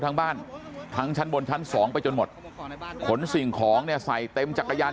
ทั้งบ้านทั้งชั้นบนชั้นสองไปจนหมดขนสิ่งของเนี่ยใส่เต็มจักรยาน